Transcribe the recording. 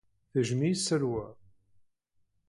Tejjem-iyi Salwa.